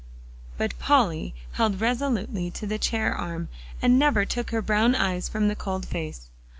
But Polly held resolutely to the chair arm, and never took her brown eyes from the cold face.